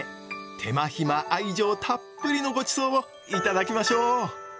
手間暇愛情たっぷりのごちそうを頂きましょう！